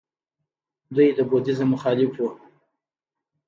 دوی د بودیزم مخالف وو